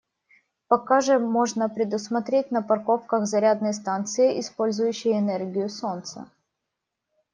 Пока же можно предусмотреть на парковках зарядные станции, использующие энергию солнца.